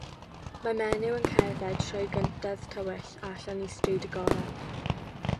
Mae menyw yn cerdded drwy gyntedd tywyll allan i stryd agored.